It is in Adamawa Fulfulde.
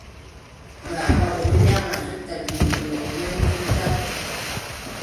Baaba, o ɗon ƴema jonta duuɓi mon noy jonta ?